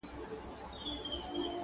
ده آغازه دا وينا په جوش او شور کړه،